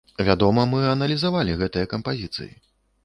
Вядома, мы аналізавалі гэтыя кампазіцыі.